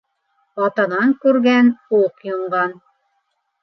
Атанан күргән - уҡ юнған.